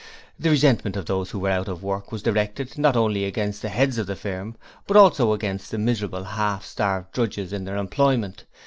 The resentment of those who were out of work was directed, not only against the heads of the firm, but also against the miserable, half starved drudges in their employment.